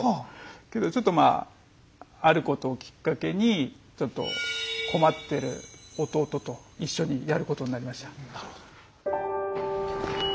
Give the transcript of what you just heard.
けどちょっとまああることをきっかけに困ってる弟と一緒にやることになりました。